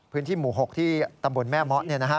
พื้นที่หมู่๖ที่ตำบลแม่เมาะ